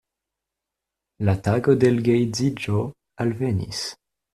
La tago de l' geedziĝo alvenis.